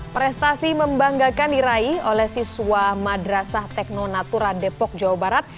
prestasi membanggakan diraih oleh siswa madrasah tekno natura depok jawa barat